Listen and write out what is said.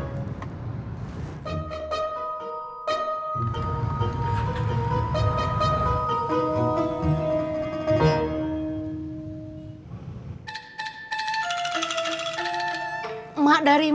maka emaknya udah pulang